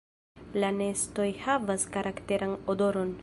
La nestoj havas karakteran odoron.